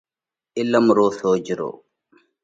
عِلم رو سوجھرو۔